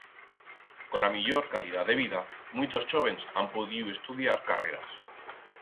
Con la millor calidat de vida, muitos chóvens han podiu estudiar carreras.